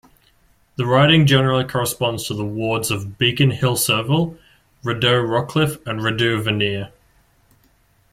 The riding generally corresponds to the wards of Beacon Hill-Cyrville, Rideau-Rockcliffe and Rideau-Vanier.